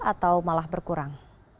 atau malah berkurang